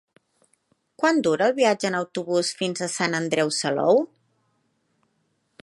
Quant dura el viatge en autobús fins a Sant Andreu Salou?